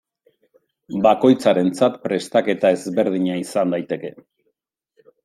Bakoitzarentzat prestaketa ezberdina izan daiteke.